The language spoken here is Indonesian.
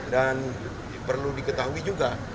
dan perlu diketahui juga